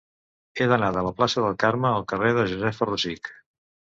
He d'anar de la plaça del Carme al carrer de Josefa Rosich.